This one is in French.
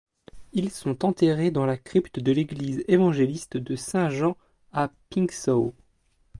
Ils sont enterrés dans la crypte de l'église évangéliste de Saint Jean à Pińczów.